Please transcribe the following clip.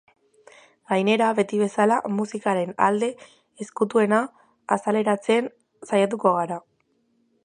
Gainera, beti bezala, musikaren alde ezkutuena azaleratzen saiatuko gara.